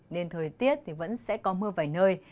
nên thời tiết vẫn sẽ có mưa vài nơi